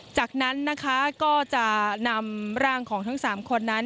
จากนั้นก็จะนำร่างของทั้ง๓คน